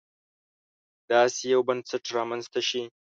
داسې یو بنسټ رامنځته شي.